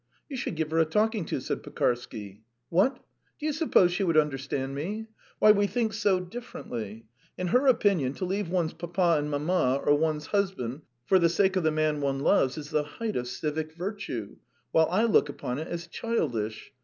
"You should give her a talking to," said Pekarsky. "What! Do you suppose she would understand me? Why, we think so differently. In her opinion, to leave one's papa and mamma or one's husband for the sake of the man one loves is the height of civic virtue, while I look upon it as childish.